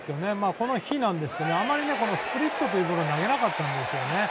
この日なんですがあまりスプリットという球を投げなかったんですよね。